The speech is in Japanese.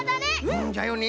うんじゃよね。